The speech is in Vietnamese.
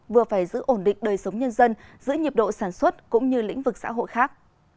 vừa phải giữ ổn định đời sống nhân dân giữ nhiệm độ sản xuất cũng như lĩnh vực xã hội khác